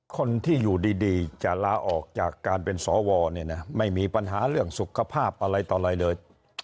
คนที่อยู่ดีจะลาออกจากการเป็นสวไม่มีปัญหาเรื่องสุขภาพอะไรต่ออะไรเลย